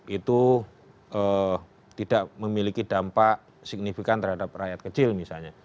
itu tidak memiliki dampak signifikan terhadap rakyat kecil misalnya